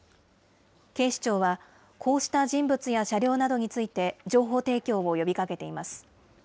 警視庁はこうした人物や車両などについて、情報提供を呼びかけています。